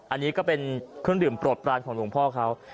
อันนี้ก็เป็นเครื่องดื่มโปรดปรานของหลวงพ่อเขา